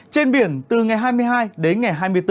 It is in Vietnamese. trên biển từ ngày hai mươi hai đến ngày hai mươi bốn